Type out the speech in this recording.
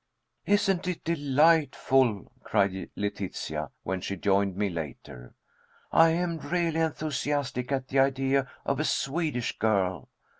"Isn't it delightful?" cried Letitia, when she joined me later. "I am really enthusiastic at the idea of a Swedish girl.